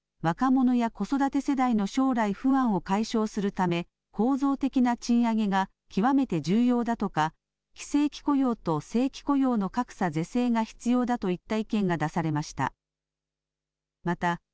委員からは若者や子育て世代の将来不安を解消するため、構造的な賃上げが極めて重要だとか、非正規雇用と正規雇用の格差是正が必要だといった意見が出されました。